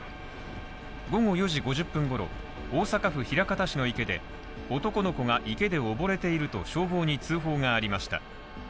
午後４時５０分ごろ、大阪府枚方市の池で男の子が池で溺れていると消防に通報がありました。